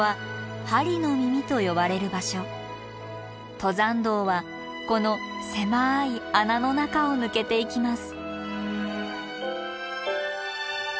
登山道はこの狭い穴の中を抜けていきます。